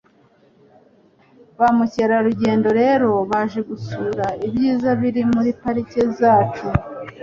Ba mukerarugendo rero baje gusura ibyiza biri muri pariki zacu,